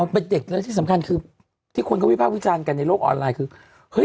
เป็นเด็กแล้วที่สำคัญคือที่คนก็วิภาควิจารณ์กันในโลกออนไลน์คือเฮ้ย